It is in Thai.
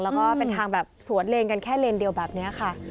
แล้วก็เป็นทางแบบสวนเลนกันแค่เลนเดียวแบบนี้ค่ะ